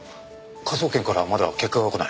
科捜研からまだ結果がこない。